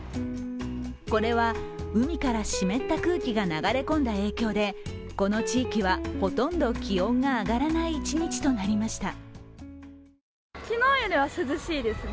これは海から湿った空気が流れ込んだ影響でこの地域はほとんど気温が上がらない一日となりました。